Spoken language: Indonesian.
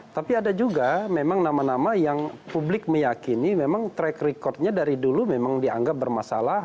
tapi ada juga memang nama nama yang publik meyakini memang track recordnya dari dulu memang dianggap bermasalah